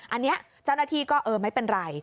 อันนี้เจ้าหน้าที่ก็เออไม่เป็นไร